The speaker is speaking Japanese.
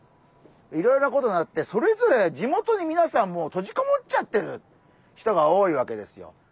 いろいろなことがあってそれぞれ地元にみなさん閉じこもっちゃってる人が多いわけですよ。